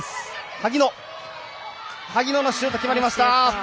萩野のシュート、決まりました！